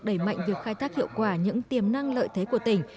đẩy mạnh việc khai thác hiệu quả những tiềm năng lợi thế của tỉnh